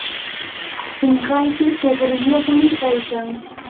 sinqayki tuqruyuqmi kaykan.